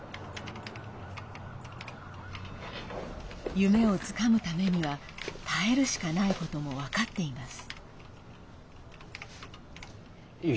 夢をつかむためには耐えるしかないことも分かっています。